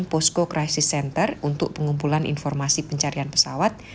posko crisis center untuk pengumpulan informasi pencarian pesawat